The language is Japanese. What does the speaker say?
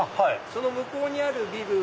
その向こうにあるビル